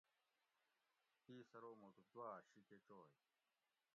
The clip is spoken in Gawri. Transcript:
اِیس ارو مُٹو دُواۤ شی کہ چوئ